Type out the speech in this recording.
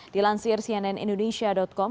dilansir cnn indonesia com